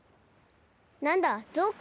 なんだゾウか。